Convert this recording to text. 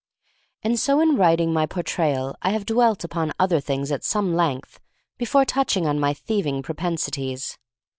And so in writing my Portrayal I have dwelt upon other things at some length before touching on my thieving propensities.